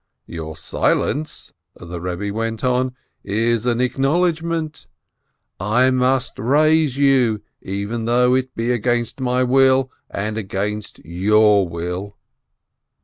"Your silence," the Rebbe went on, "is an acknowl edgment. I must raise you, even though it be against my will and against your will."